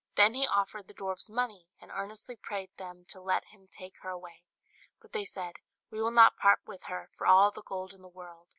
Then he offered the dwarfs money, and earnestly prayed them to let him take her away; but they said, "We will not part with her for all the gold in the world."